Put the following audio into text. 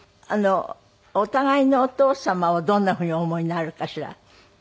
お互いのお父様をどんなふうにお思いになるかしら？